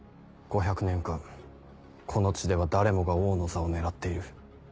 ５００年間この地では誰もが王の座を狙っている。